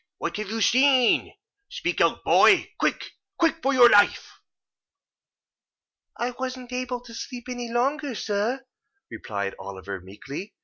What have you seen? Speak out, boy! Quick—quick! for your life." "I wasn't able to sleep any longer, sir," replied Oliver, meekly.